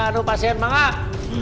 aduh pasien mangat